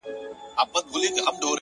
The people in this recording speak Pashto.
صبر د بریا خاموش ملګری دی.!